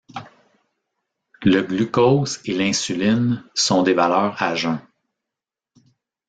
Le glucose et l'insuline sont des valeurs à jeun.